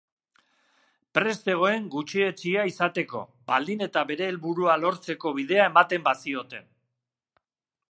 Prest zegoen gutxietsia izateko, baldin eta bere helburua lortzeko bidea ematen bazioten.